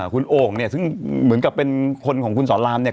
คุณโอ่งเนี่ยซึ่งเหมือนกับเป็นคนของคุณสอนรามเนี่ย